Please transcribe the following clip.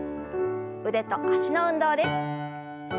腕と脚の運動です。